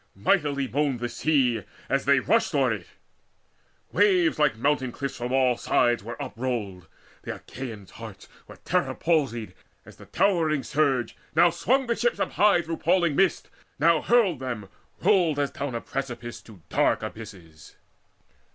Mightily moaned the sea As they rushed o'er it; waves like mountain cliffs From all sides were uprolled. The Achaeans' hearts Were terror palsied, as the uptowering surge Now swung the ships up high through palling mist, Now hurled them rolled as down a precipice To dark abysses.